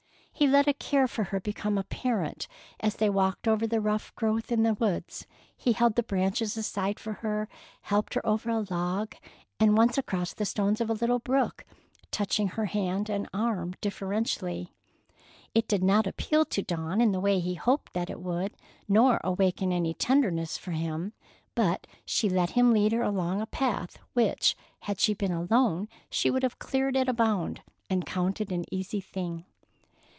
He let a care for her become apparent: as they walked over the rough growth in the woods, he held the branches aside for her, and helped her over a log, and once across the stones of a little brook, touching her hand and arm deferentially. It did not appeal to Dawn in the way he hoped that it would, nor awaken any tenderness for him, but she let him lead her along a path which, had she been alone, she would have cleared at a bound, and counted an easy thing.